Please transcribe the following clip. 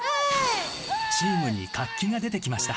チームに活気が出てきました。